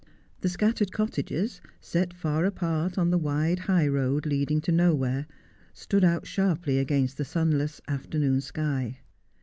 The scattered cottages, set far apart on the wide high road leading to nowhere, stood out sharply against the sunless afternoon sky.